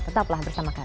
tetaplah bersama kami